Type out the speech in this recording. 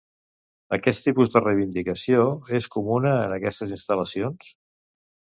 Aquest tipus de reivindicació, és comuna en aquestes instal·lacions?